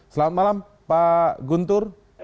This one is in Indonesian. selamat malam pak guntur